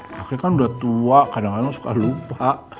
kakek kan udah tua kadang kadang suka lupa